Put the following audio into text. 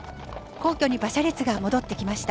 皇居に馬車列が戻ってきました。